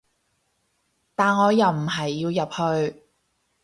但我又唔係要入去